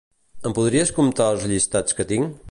Em podries comptar els llistats que tinc?